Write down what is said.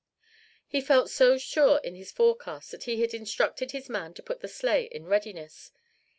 He felt so sure in his forecast that he had instructed his man to put the sleigh in readiness.